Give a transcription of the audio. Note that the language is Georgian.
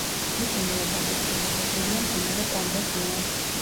მისი ნიადაგი დრენირებულია მდინარე კონგოს მიერ.